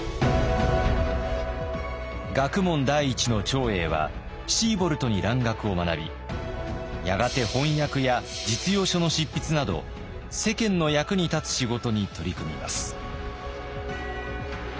学問第一の長英はシーボルトに蘭学を学びやがて翻訳や実用書の執筆など世間の役に立つ仕事に取り組みます。